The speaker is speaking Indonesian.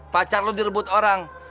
pacar lo direbut orang